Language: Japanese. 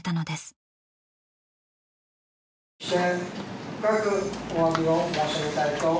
深くおわびを申し上げたいと思います。